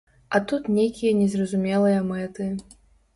А тут нейкія незразумелыя мэты.